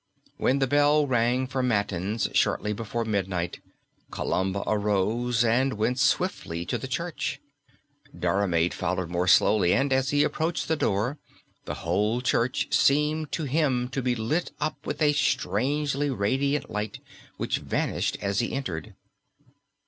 When the bell rang for matins shortly before midnight, Columba arose, and went swiftly to the church. Diarmaid followed more slowly, and as he approached the door, the whole church seemed to him to be lit up with a strangely radiant light which vanished as he entered.